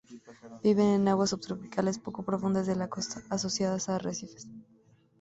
Viven en aguas subtropicales poco profundas de la costa, asociados a arrecifes.